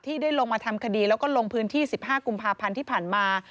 ได้ลงมาทำคดีแล้วก็ลงพื้นที่๑๕กุมภาพันธ์ที่ผ่านมา